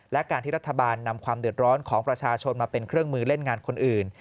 และการที่รัฐบาลนำความเดือดร้อนของประชาชนมาเป็นเครื่องมือเล่นงานคนอื่น